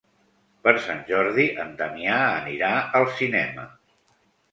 Per Sant Jordi en Damià anirà al cinema.